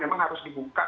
jadi memang harus dibuka